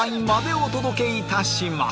お邪魔いたします！